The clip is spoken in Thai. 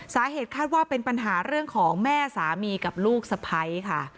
สาเหตุคาดว่าเป็นปัญหาเรื่องของแม่สามีกับลูกสะพ้ายค่ะ